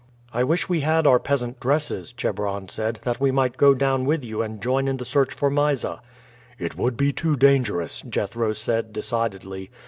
"I wish we had our peasant dresses," Chebron said, "that we might go down with you and join in the search for Mysa." "It would be too dangerous," Jethro said decidedly.